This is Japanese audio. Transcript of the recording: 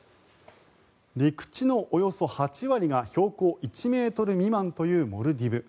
陸地のおよそ８割が標高１ｍ未満というモルディブ。